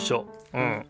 うん。